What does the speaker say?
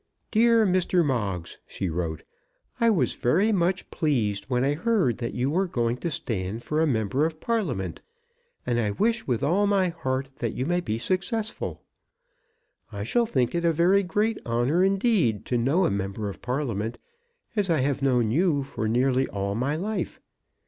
DEAR MR. MOGGS, [she wrote] I was very much pleased when I heard that you were going to stand for a member of Parliament, and I wish with all my heart that you may be successful. I shall think it a very great honour indeed to know a member of Parliament, as I have known you for nearly all my life.